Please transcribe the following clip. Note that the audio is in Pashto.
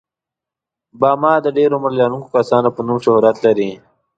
باما د ډېر عمر لرونکو کسانو په نوم شهرت لري.